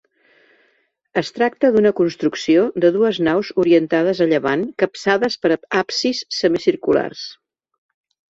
Es tracta d'una construcció de dues naus orientades a llevant capçades per absis semicirculars.